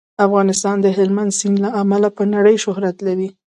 افغانستان د هلمند سیند له امله په نړۍ شهرت لري.